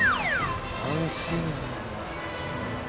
安心。